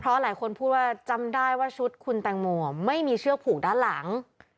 เพราะหลายคนพูดว่าจำได้ว่าชุดคุณแตงโมไม่มีเชือกผูกด้านหลัง